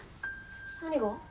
何が？